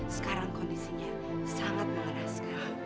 sekarang kondisinya sangat mengenaskan